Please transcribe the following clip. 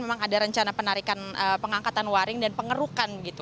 memang ada rencana penarikan pengangkatan waring dan pengerukan gitu